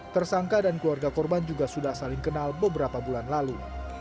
tersangka dan keluarga korban juga sudah saling kenal beberapa bulan lalu